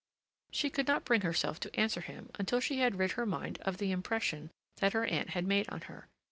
She could not bring herself to answer him until she had rid her mind of the impression that her aunt had made on her.